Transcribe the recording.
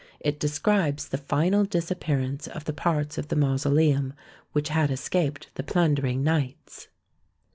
It describes the final disappearance of the parts of the mausoleum which had escaped the plundering knights.